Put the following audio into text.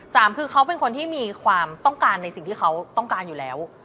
สามคือเขาเป็นคนที่มีความต้องการในสิ่งที่เขาต้องการอยู่แล้ว